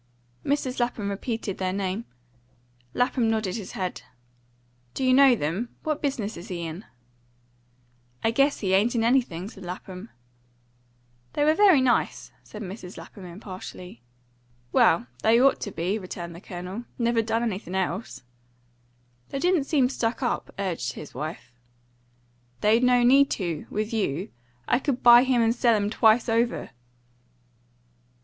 Mrs. Lapham repeated their name. Lapham nodded his head. "Do you know them? What business is he in?" "I guess he ain't in anything," said Lapham. "They were very nice," said Mrs. Lapham impartially. "Well, they'd ought to be," returned the Colonel. "Never done anything else." "They didn't seem stuck up," urged his wife. "They'd no need to with you. I could buy him and sell him, twice over."